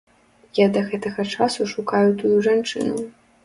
Я да гэтага часу шукаю тую жанчыну.